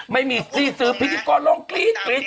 ไม่มีที่ซื้อพี่ดิกรลองกรีดใครอ่ะ